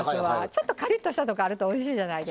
ちょっとカリッとしたとこあるとおいしいじゃないですか。